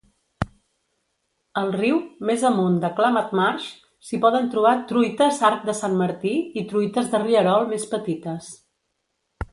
Al riu, més amunt de Klamath Marsh, s'hi poden trobar truites arc de Sant Martí i truites de rierol més petites.